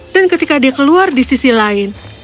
dan ketika dia keluar di sisi lain